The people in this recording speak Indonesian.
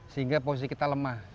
sehingga posisi kita lemah